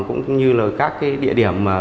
cũng như các địa điểm